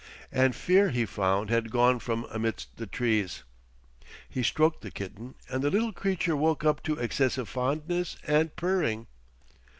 And fear, he found, had gone from amidst the trees. He stroked the kitten, and the little creature woke up to excessive fondness and purring.